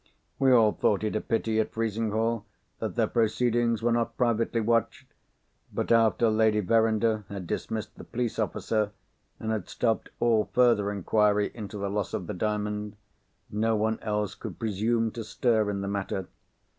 We all thought it a pity at Frizinghall that their proceedings were not privately watched. But, after Lady Verinder had dismissed the police officer, and had stopped all further inquiry into the loss of the Diamond, no one else could presume to stir in the matter.